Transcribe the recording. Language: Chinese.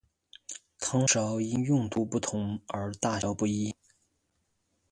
汤勺因用途不同而大小不一。